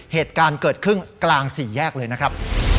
เหตุการณ์เกิดขึ้นกลางสี่แยกเลยนะครับ